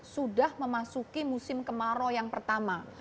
sudah memasuki musim kemarau yang pertama